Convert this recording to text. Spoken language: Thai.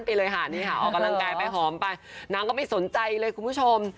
ไปเลยค่ะนี่ค่ะออกกำลังกายไปหอมไปนางก็ไม่สนใจเลยคุณผู้ชม